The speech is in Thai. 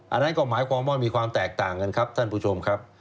อันนั้นก็หมายความว่ามีความแตกต่างกันครับท่านผู้ชมครับ